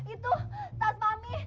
itu tas mami